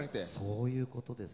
そういうことです。